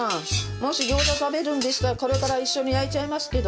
もし餃子食べるんでしたらこれから一緒に焼いちゃいますけど。